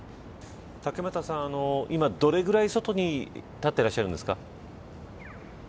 竹俣さん、今どのぐらい外に立ってらっしゃるんですか。